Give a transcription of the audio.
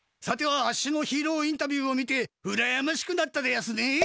さてはあっしのヒーローインタビューを見てうらやましくなったでやすね？